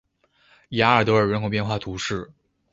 雅尔德尔人口变化图示